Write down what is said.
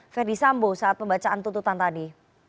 ferdisambo saat pembacaan tuntutan tadi